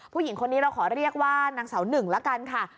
ผู้หญิงคนนี้เราขอเรียกว่านางสาวหนึ่งละกันค่ะ